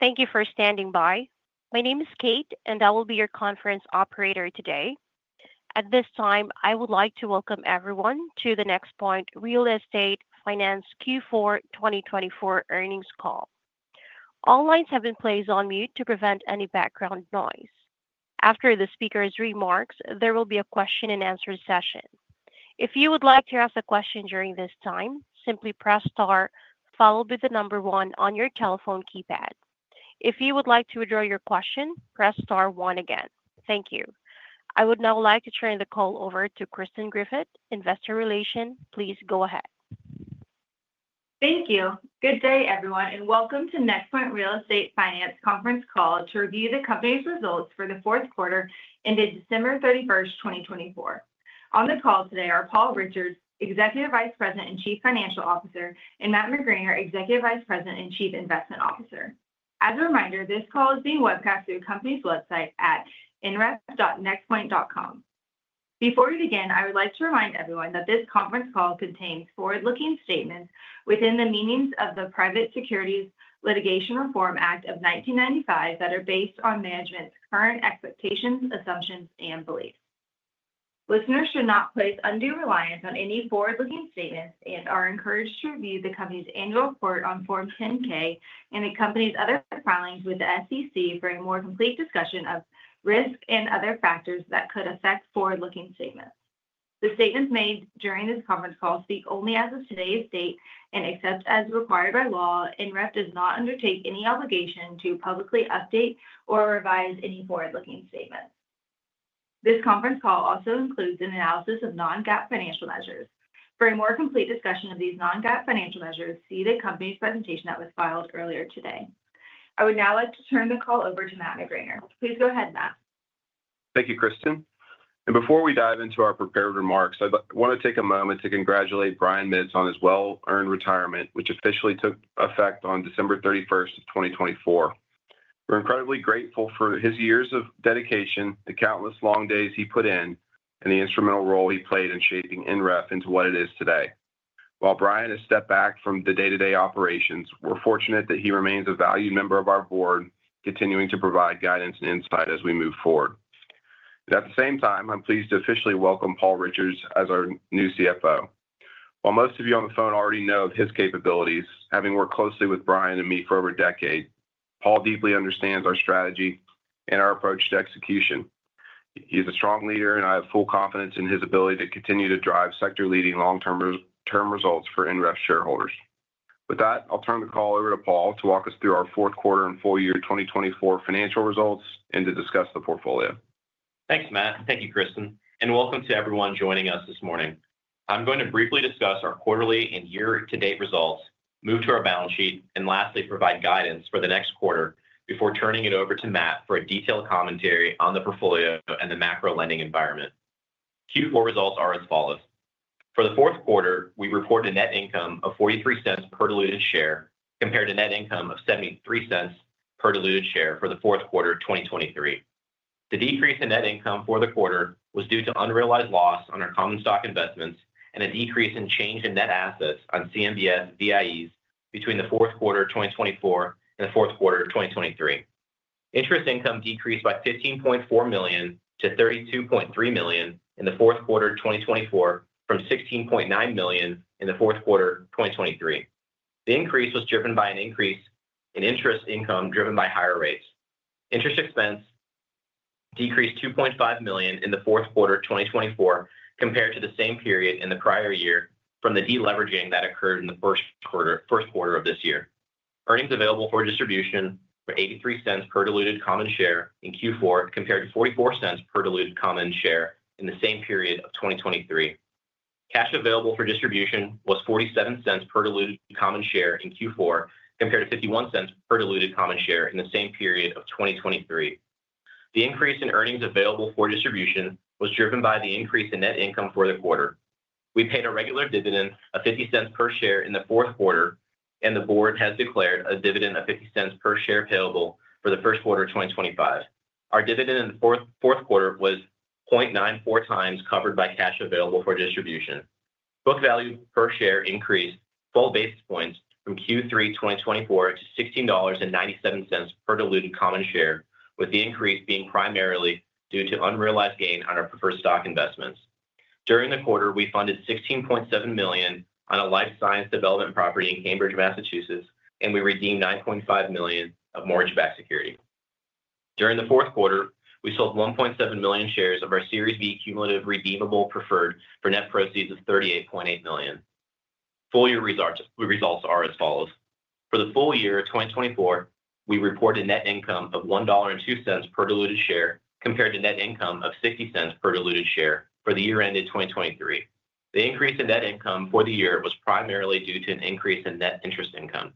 Thank you for standing by. My name is Kate, and I will be your conference operator today. At this time, I would like to welcome everyone to the NexPoint Real Estate Finance Q4 2024 earnings call. All lines have been placed on mute to prevent any background noise. After the speaker's remarks, there will be a question-and-answer session. If you would like to ask a question during this time, simply press Star, followed by the number one on your telephone keypad. If you would like to withdraw your question, press Star one again. Thank you. I would now like to turn the call over to Kristen Griffith, Investor Relations. Please go ahead. Thank you. Good day, everyone, and welcome to NexPoint Real Estate Finance conference call to review the company's results for the fourth quarter ended December 31, 2024. On the call today are Paul Richards, Executive Vice President and Chief Financial Officer, and Matt McGraner, Executive Vice President and Chief Investment Officer. As a reminder, this call is being webcast through the company's website at nref.nexpoint.com. Before we begin, I would like to remind everyone that this conference call contains forward-looking statements within the meanings of the Private Securities Litigation Reform Act of 1995 that are based on management's current expectations, assumptions, and beliefs. Listeners should not place undue reliance on any forward-looking statements and are encouraged to review the company's annual report on Form 10-K and the company's other filings with the SEC for a more complete discussion of risk and other factors that could affect forward-looking statements. The statements made during this conference call speak only as of today's date and except as required by law. NREF does not undertake any obligation to publicly update or revise any forward-looking statements. This conference call also includes an analysis of non-GAAP financial measures. For a more complete discussion of these non-GAAP financial measures, see the company's presentation that was filed earlier today. I would now like to turn the call over to Matt McGraner. Please go ahead, Matt. Thank you, Kristen. Before we dive into our prepared remarks, I want to take a moment to congratulate Brian Mitts on his well-earned retirement, which officially took effect on December 31, 2024. We're incredibly grateful for his years of dedication, the countless long days he put in, and the instrumental role he played in shaping NREF into what it is today. While Brian has stepped back from the day-to-day operations, we're fortunate that he remains a valued member of our board, continuing to provide guidance and insight as we move forward. At the same time, I'm pleased to officially welcome Paul Richards as our new CFO. While most of you on the phone already know of his capabilities, having worked closely with Brian and me for over a decade, Paul deeply understands our strategy and our approach to execution. He's a strong leader, and I have full confidence in his ability to continue to drive sector-leading long-term results for NREF shareholders. With that, I'll turn the call over to Paul to walk us through our fourth quarter and full year 2024 financial results and to discuss the portfolio. Thanks, Matt. Thank you, Kristen. Welcome to everyone joining us this morning. I'm going to briefly discuss our quarterly and year-to-date results, move to our balance sheet, and lastly, provide guidance for the next quarter before turning it over to Matt for a detailed commentary on the portfolio and the macro lending environment. Q4 results are as follows. For the fourth quarter, we reported a net income of $0.43 per diluted share compared to net income of $0.73 per diluted share for the fourth quarter of 2023. The decrease in net income for the quarter was due to unrealized loss on our common stock investments and a decrease in change in net assets on CMBS VIEs between the fourth quarter of 2024 and the fourth quarter of 2023. Interest income decreased by $15.4 million to $32.3 million in the fourth quarter of 2024 from $16.9 million in the fourth quarter of 2023. The increase was driven by an increase in interest income driven by higher rates. Interest expense decreased $2.5 million in the fourth quarter of 2024 compared to the same period in the prior year from the deleveraging that occurred in the first quarter of this year. Earnings available for distribution were $0.83 per diluted common share in Q4 compared to $0.44 per diluted common share in the same period of 2023. Cash available for distribution was $0.47 per diluted common share in Q4 compared to $0.51 per diluted common share in the same period of 2023. The increase in earnings available for distribution was driven by the increase in net income for the quarter. We paid a regular dividend of $0.50 per share in the fourth quarter, and the board has declared a dividend of $0.50 per share payable for the first quarter of 2025. Our dividend in the fourth quarter was 0.94 times covered by cash available for distribution. Book value per share increased 12 basis points from Q3 2024 to $16.97 per diluted common share, with the increase being primarily due to unrealized gain on our preferred stock investments. During the quarter, we funded $16.7 million on a life science development property in Cambridge, Massachusetts, and we redeemed $9.5 million of mortgage-backed security. During the fourth quarter, we sold 1.7 million shares of our Series B cumulative redeemable preferred for net proceeds of $38.8 million. Full year results are as follows. For the full year of 2024, we reported net income of $1.02 per diluted share compared to net income of $0.60 per diluted share for the year ended 2023. The increase in net income for the year was primarily due to an increase in net interest income.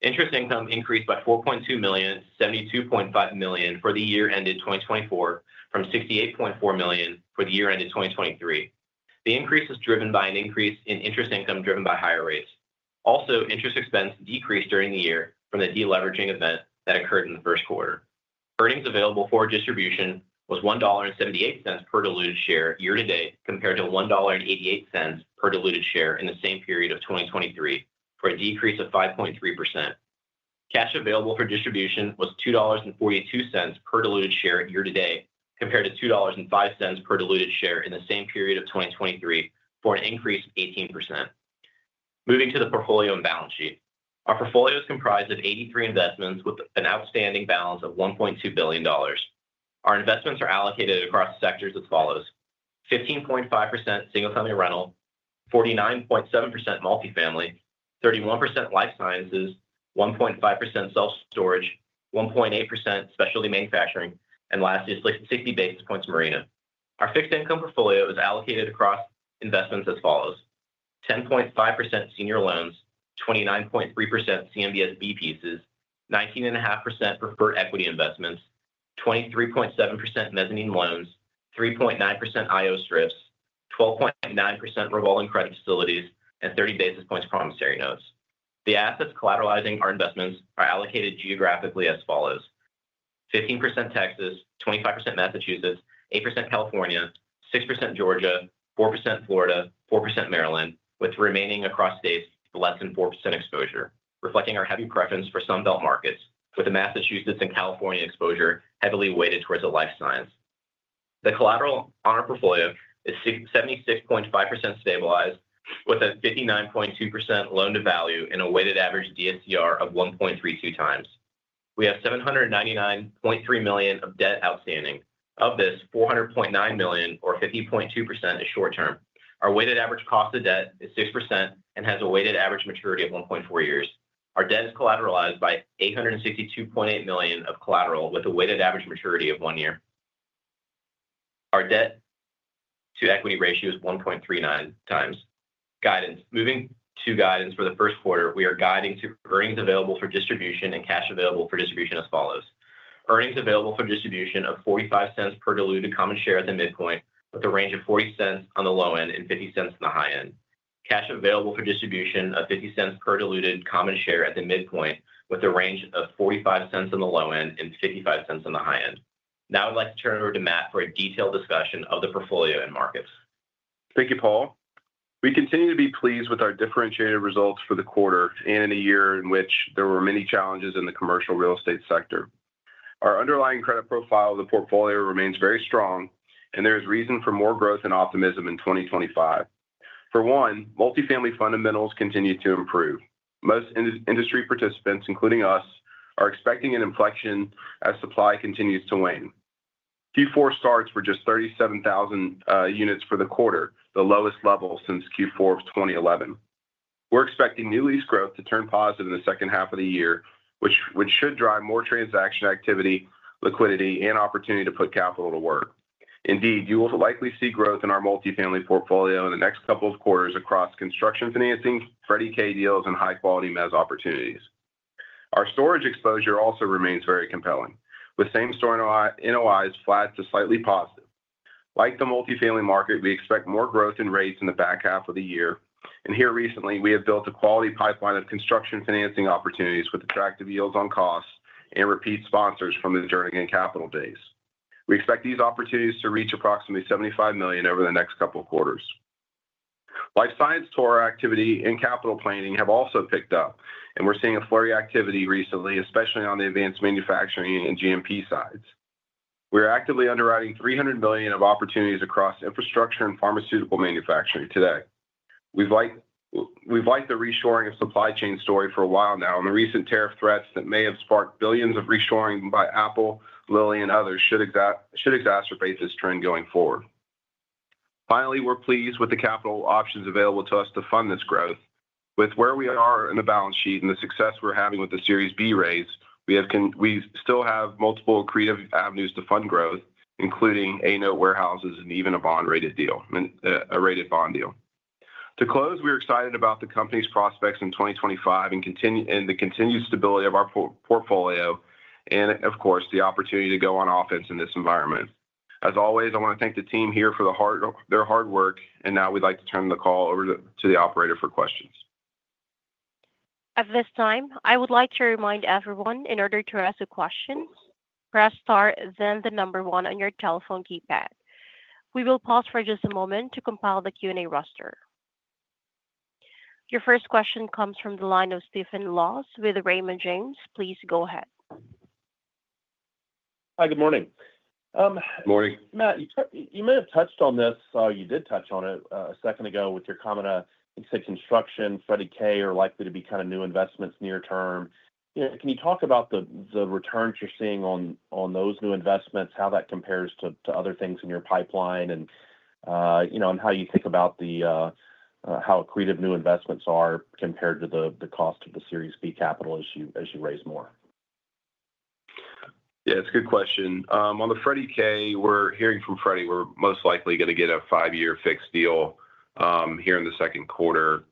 Interest income increased by $4.2 million to $72.5 million for the year ended 2024 from $68.4 million for the year ended 2023. The increase was driven by an increase in interest income driven by higher rates. Also, interest expense decreased during the year from the deleveraging event that occurred in the first quarter. Earnings available for distribution was $1.78 per diluted share year-to-date compared to $1.88 per diluted share in the same period of 2023 for a decrease of 5.3%. Cash available for distribution was $2.42 per diluted share year-to-date compared to $2.05 per diluted share in the same period of 2023 for an increase of 18%. Moving to the portfolio and balance sheet. Our portfolio is comprised of 83 investments with an outstanding balance of $1.2 billion. Our investments are allocated across the sectors as follows: 15.5% single-family rental, 49.7% multifamily, 31% life sciences, 1.5% self-storage, 1.8% specialty manufacturing, and lastly, 60 basis points marina. Our fixed income portfolio is allocated across investments as follows: 10.5% senior loans, 29.3% CMBS B-pieces, 19.5% preferred equity investments, 23.7% mezzanine loans, 3.9% IO strips, 12.9% revolving credit facilities, and 30 basis points promissory notes. The assets collateralizing our investments are allocated geographically as follows: 15% Texas, 25% Massachusetts, 8% California, 6% Georgia, 4% Florida, 4% Maryland, with the remaining across states less than 4% exposure, reflecting our heavy preference for Sunbelt markets, with the Massachusetts and California exposure heavily weighted towards the life science. The collateral on our portfolio is 76.5% stabilized, with a 59.2% loan-to-value and a weighted average DSCR of 1.32 times. We have $799.3 million of debt outstanding. Of this, $400.9 million, or 50.2%, is short-term. Our weighted average cost of debt is 6% and has a weighted average maturity of 1.4 years. Our debt is collateralized by $862.8 million of collateral with a weighted average maturity of one year. Our debt-to-equity ratio is 1.39 times. Guidance. Moving to guidance for the first quarter, we are guiding to earnings available for distribution and cash available for distribution as follows: earnings available for distribution of $0.45 per diluted common share at the midpoint, with a range of $0.40 on the low end and $0.50 on the high end. Cash available for distribution of $0.50 per diluted common share at the midpoint, with a range of $0.45 on the low end and $0.55 on the high end. Now I'd like to turn it over to Matt for a detailed discussion of the portfolio and markets. Thank you, Paul. We continue to be pleased with our differentiated results for the quarter and in a year in which there were many challenges in the commercial real estate sector. Our underlying credit profile of the portfolio remains very strong, and there is reason for more growth and optimism in 2025. For one, multifamily fundamentals continue to improve. Most industry participants, including us, are expecting an inflection as supply continues to wane. Q4 starts with just 37,000 units for the quarter, the lowest level since Q4 of 2011. We're expecting new lease growth to turn positive in the second half of the year, which should drive more transaction activity, liquidity, and opportunity to put capital to work. Indeed, you will likely see growth in our multifamily portfolio in the next couple of quarters across construction financing, Freddie Mac deals, and high-quality mezzanine opportunities. Our storage exposure also remains very compelling, with same-store NOIs flat to slightly positive. Like the multifamily market, we expect more growth in rates in the back half of the year. Recently, we have built a quality pipeline of construction financing opportunities with attractive yields on costs and repeat sponsors from the Jernigan Capital days. We expect these opportunities to reach approximately $75 million over the next couple of quarters. Life science tour activity and capital planning have also picked up, and we're seeing a flurry of activity recently, especially on the advanced manufacturing and GMP sides. We are actively underwriting $300 million of opportunities across infrastructure and pharmaceutical manufacturing today. We've liked the reshoring of supply chain story for a while now, and the recent tariff threats that may have sparked billions of reshoring by Apple, Lilly, and others should exacerbate this trend going forward. Finally, we're pleased with the capital options available to us to fund this growth. With where we are in the balance sheet and the success we're having with the Series B raise, we still have multiple creative avenues to fund growth, including A-Note warehouses and even a bond-rated deal. To close, we're excited about the company's prospects in 2025 and the continued stability of our portfolio and, of course, the opportunity to go on offense in this environment. As always, I want to thank the team here for their hard work, and now we'd like to turn the call over to the operator for questions. At this time, I would like to remind everyone in order to ask a question, press Star, then the number one on your telephone keypad. We will pause for just a moment to compile the Q&A roster. Your first question comes from the line of Stephen Laws with Raymond James. Please go ahead. Hi, good morning. Good morning. Matt, you may have touched on this. You did touch on it a second ago with your comment on, you said construction, Freddie K are likely to be kind of new investments near term. Can you talk about the returns you're seeing on those new investments, how that compares to other things in your pipeline, and how you think about how accretive new investments are compared to the cost of the Series B capital as you raise more? Yeah, it's a good question. On the Freddie Mac, we're hearing from Freddie, we're most likely going to get a five-year fixed deal here in the second quarter,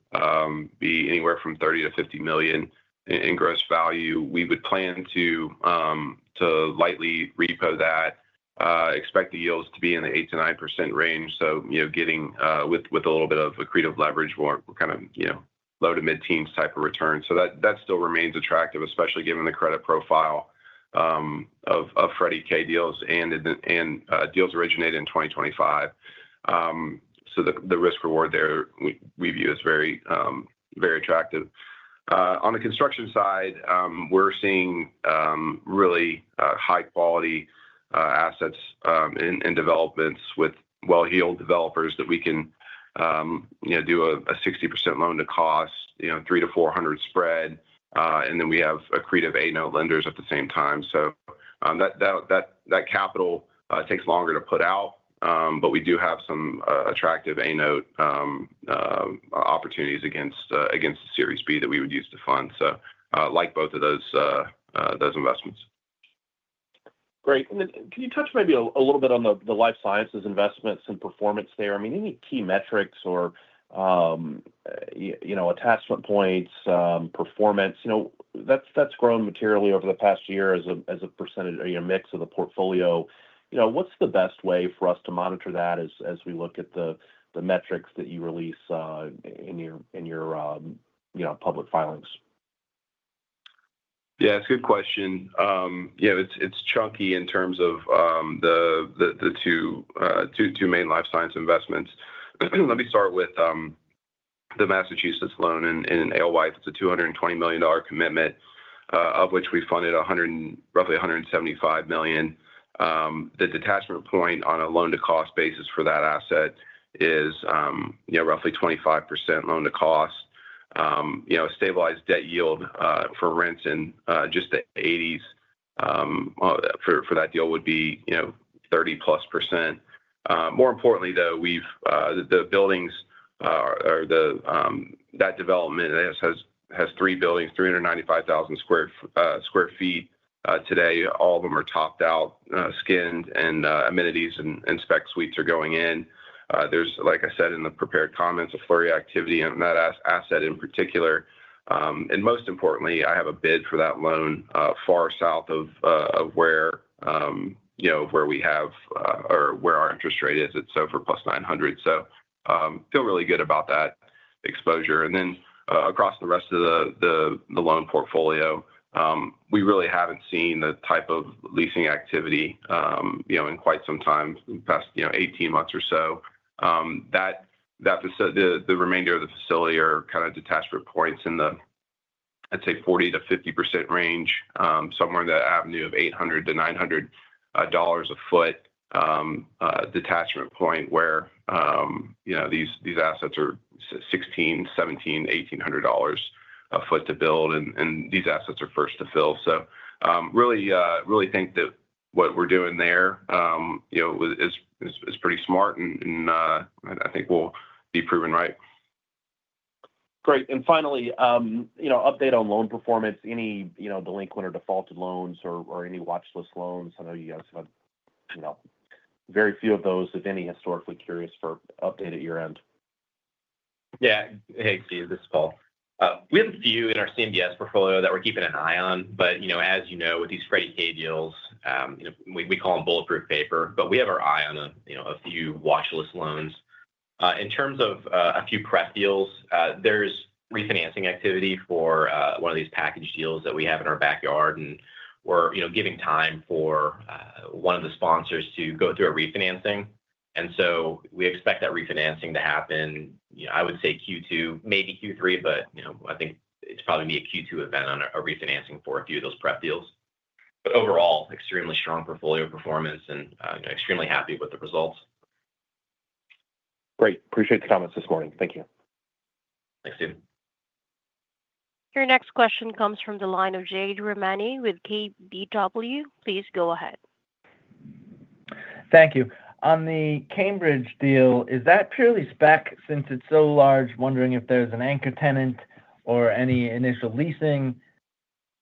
be anywhere from $30 million-$50 million in gross value. We would plan to lightly repo that, expect the yields to be in the 8%-9% range. Getting with a little bit of accretive leverage, we're kind of low to mid-teens type of return. That still remains attractive, especially given the credit profile of Freddie Mac deals and deals originated in 2025. The risk-reward there we view as very attractive. On the construction side, we're seeing really high-quality assets and developments with well-heeled developers that we can do a 60% loan-to-cost, three to four hundred spread, and then we have accretive A-Note lenders at the same time. That capital takes longer to put out, but we do have some attractive A-Note opportunities against the Series B that we would use to fund. I like both of those investments. Great. Can you touch maybe a little bit on the life sciences investments and performance there? I mean, any key metrics or attachment points, performance? That's grown materially over the past year as a percentage or a mix of the portfolio. What's the best way for us to monitor that as we look at the metrics that you release in your public filings? Yeah, it's a good question. It's chunky in terms of the two main life science investments. Let me start with the Massachusetts loan in AOWISE. It's a $220 million commitment, of which we funded roughly $175 million. The detachment point on a loan-to-cost basis for that asset is roughly 25% loan-to-cost. A stabilized debt yield for rents in just the 80s for that deal would be 30-plus %. More importantly, though, the buildings, that development has three buildings, 395,000 sq ft today. All of them are topped out, skinned, and amenities and spec suites are going in. There's, like I said in the prepared comments, a flurry of activity on that asset in particular. Most importantly, I have a bid for that loan far south of where we have or where our interest rate is. It's over plus 900. Feel really good about that exposure. Across the rest of the loan portfolio, we really have not seen the type of leasing activity in quite some time, past 18 months or so. The remainder of the facility are kind of detachment points in the, I would say, 40%-50% range, somewhere in the avenue of $800-$900 a sq ft detachment point where these assets are $1,600, $1,700, $1,800 a sq ft to build, and these assets are first to fill. I really think that what we are doing there is pretty smart, and I think will be proven right. Great. Finally, update on loan performance, any delinquent or defaulted loans or any watchlist loans? I know you guys have very few of those, if any, historically. Curious for update at your end. Yeah. Hey, Steve, this is Paul. We have a few in our CMBS portfolio that we're keeping an eye on. As you know, with these Freddie K deals, we call them bulletproof paper, but we have our eye on a few watchlist loans. In terms of a few prep deals, there's refinancing activity for one of these package deals that we have in our backyard, and we're giving time for one of the sponsors to go through a refinancing. We expect that refinancing to happen, I would say Q2, maybe Q3, but I think it's probably going to be a Q2 event on a refinancing for a few of those pref deals. Overall, extremely strong portfolio performance and extremely happy with the results. Great. Appreciate the comments this morning. Thank you. Thanks, Steve. Your next question comes from the line of Jade Rahmani with KBW. Please go ahead. Thank you. On the Cambridge deal, is that purely spec since it's so large? Wondering if there's an anchor tenant or any initial leasing.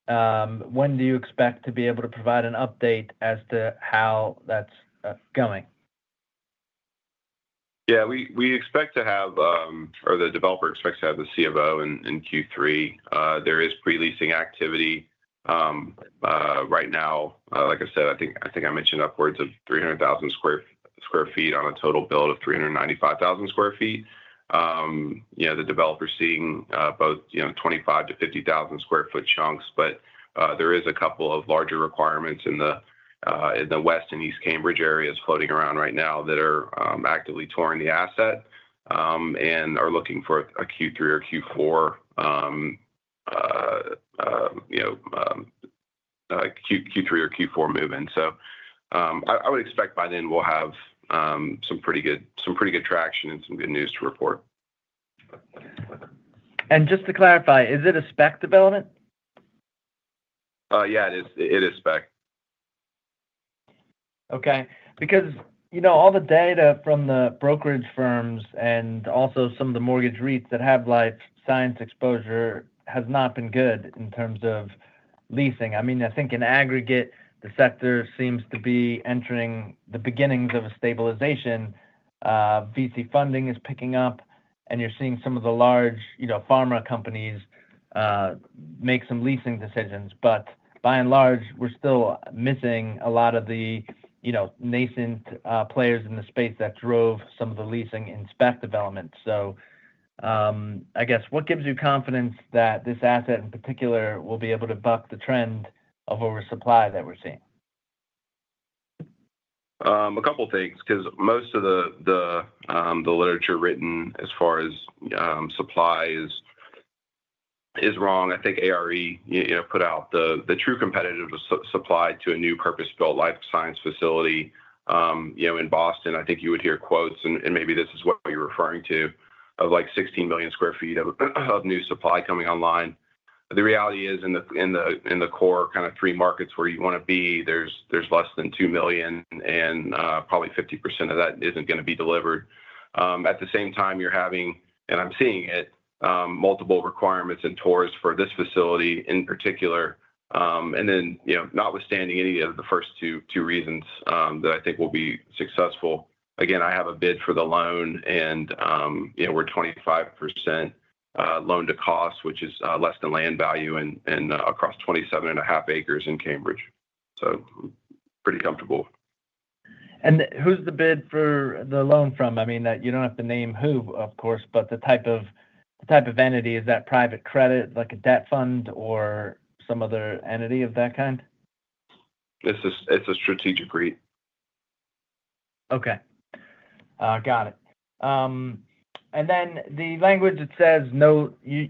When do you expect to be able to provide an update as to how that's going? Yeah, we expect to have, or the developer expects to have, the CFO in Q3. There is pre-leasing activity right now. Like I said, I think I mentioned upwards of 300,000 sq ft on a total build of 395,000 sq ft. The developer is seeing both 25,000 sq ft-50,000 sq ft chunks, but there are a couple of larger requirements in the West and East Cambridge areas floating around right now that are actively touring the asset and are looking for a Q3 or Q4 movement. I would expect by then we'll have some pretty good traction and some good news to report. Just to clarify, is it a spec development? Yeah, it is spec. Okay. Because all the data from the brokerage firms and also some of the mortgage REITs that have life science exposure has not been good in terms of leasing. I mean, I think in aggregate, the sector seems to be entering the beginnings of a stabilization. VC funding is picking up, and you're seeing some of the large pharma companies make some leasing decisions. By and large, we're still missing a lot of the nascent players in the space that drove some of the leasing and spec development. I guess, what gives you confidence that this asset in particular will be able to buck the trend of oversupply that we're seeing? A couple of things, because most of the literature written as far as supply is wrong. I think ARE put out the true competitive supply to a new purpose-built life science facility in Boston. I think you would hear quotes, and maybe this is what you're referring to, of like 16 million sq ft of new supply coming online. The reality is in the core kind of three markets where you want to be, there's less than 2 million, and probably 50% of that isn't going to be delivered. At the same time, you're having, and I'm seeing it, multiple requirements and tours for this facility in particular. Notwithstanding any of the first two reasons that I think will be successful, again, I have a bid for the loan, and we're 25% loan-to-cost, which is less than land value and across 27.5 acres in Cambridge. Pretty comfortable. Who's the bid for the loan from? I mean, you don't have to name who, of course, but the type of entity, is that private credit, like a debt fund or some other entity of that kind? It's a strategic REIT. Okay. Got it. The language that says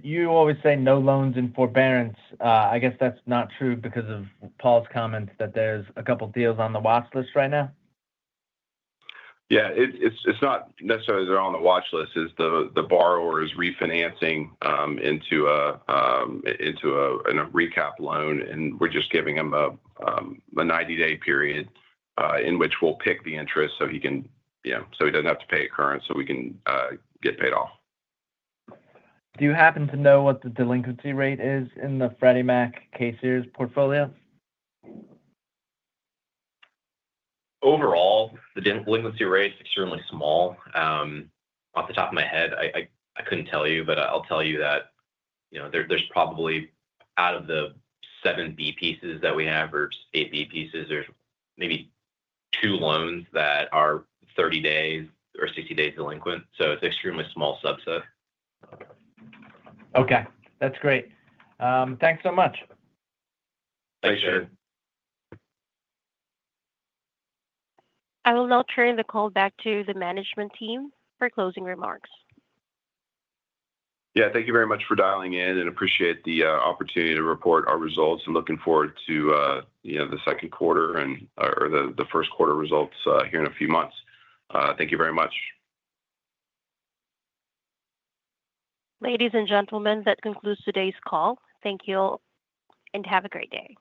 you always say no loans in forbearance, I guess that's not true because of Paul's comment that there's a couple of deals on the watchlist right now? Yeah. It's not necessarily they're on the watchlist. It's the borrower is refinancing into a recap loan, and we're just giving him a 90-day period in which we'll PIK the interest so he doesn't have to pay current, so we can get paid off. Do you happen to know what the delinquency rate is in the Freddie Mac K-Series portfolio? Overall, the delinquency rate is extremely small. Off the top of my head, I couldn't tell you, but I'll tell you that there's probably out of the seven B-pieces that we have or eight B-pieces, there's maybe two loans that are 30 days or 60 days delinquent. It is an extremely small subset. Okay. That's great. Thanks so much. Thanks, Jade. I will now turn the call back to the management team for closing remarks. Yeah. Thank you very much for dialing in, and appreciate the opportunity to report our results. I'm looking forward to the second quarter or the first quarter results here in a few months. Thank you very much. Ladies and gentlemen, that concludes today's call. Thank you all, and have a great day.